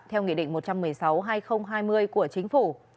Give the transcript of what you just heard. theo nghị định một trăm một mươi sáu hai nghìn hai mươi của chính phủ